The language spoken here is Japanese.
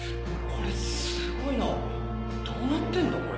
これすごいなどうなってんだ？